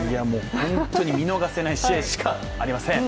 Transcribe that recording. ホントに見逃せない試合しかありません。